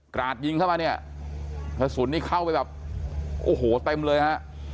ราดยิงเข้ามาเนี่ยกระสุนนี่เข้าไปแบบโอ้โหเต็มเลยฮะ